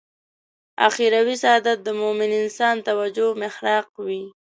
اخروي سعادت د مومن انسان توجه محراق وي.